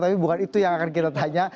tapi bukan itu yang akan kita tanya